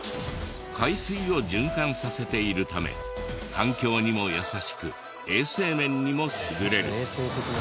海水を循環させているため環境にも優しく衛生面にも優れる。